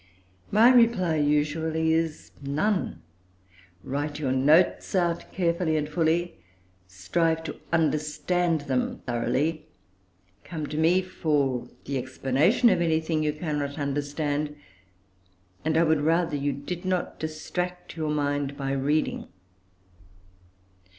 My reply usually is, "None: write your notes out carefully and fully; strive to understand them thoroughly; come to me for the explanation of anything you cannot understand; and I would rather you did not distract your mind by reading."